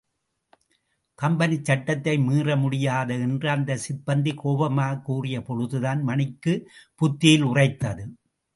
Company சட்டத்தை மீற முடியாது என்று அந்த சிப்பந்தி கோபமாகக் கூறிய பொழுதுதான் மணிக்கு புத்தியில் உறைத்தது.